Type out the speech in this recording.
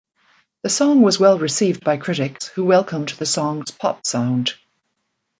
The song was well-received by critics, who welcomed the song's pop sound.